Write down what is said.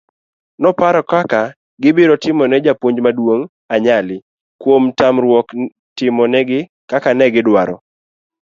noparo kaka gibiro timone japuonj maduong' anyali kuom tamruok timo nigi kaka negidwaro